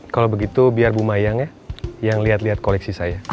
kalau begitu biar bu mayang ya yang lihat lihat koleksi saya